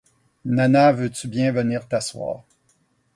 Nana, veux-tu bien venir t'asseoir!